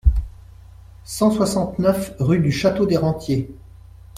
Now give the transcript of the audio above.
cent soixante-neuf rue du Château des Rentiers